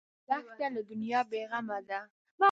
دښته له دنیا بېغمه ده.